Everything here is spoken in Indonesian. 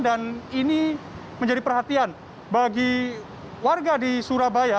dan ini menjadi perhatian bagi warga di surabaya